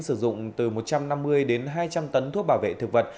sử dụng từ một trăm năm mươi đến hai trăm linh tấn thuốc bảo vệ thực vật